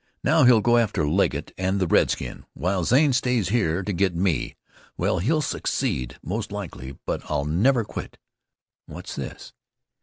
"Now he'll go after Legget and the redskin, while Zane stays here to get me. Well, he'll succeed, most likely, but I'll never quit. What's this?"